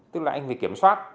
tức là anh phải kiểm soát